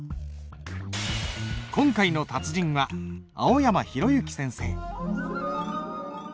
今回の達人は青山浩之先生。